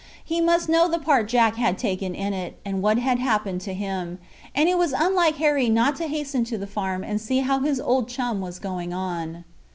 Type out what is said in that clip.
He must know the part Jack had taken in it, and what had happened to him, and it was unlike Harry not to hasten to the farm and see how his old chum was going on.